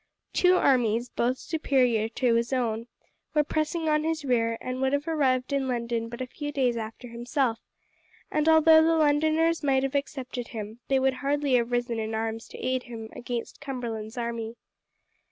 Two armies, both superior to his own, were pressing on his rear, and would have arrived in London but a few days after himself; and although the Londoners might have accepted him, they would hardly have risen in arms to aid him against Cumberland's army.